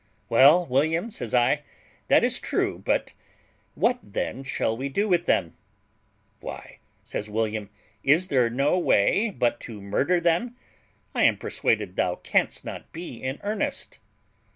"Well, William," says I, "that is true; but what then shall we do with them?" "Why," says William, "is there no way but to murder them? I am persuaded thou canst not be in earnest."